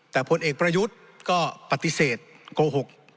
แต่ผลเอกประยุทธ์ก็ปฏิเสธโกหก